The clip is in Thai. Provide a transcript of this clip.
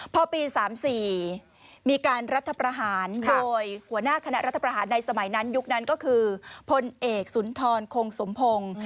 พอปี๓๔มีการรัฐประหารโดยหัวหน้าคณะรัฐประหารในสมัยนั้นยุคนั้นก็คือพลเอกสุนทรคงสมพงศ์